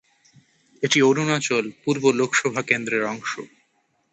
এটি অরুণাচল পূর্ব লোকসভা কেন্দ্রের অংশ।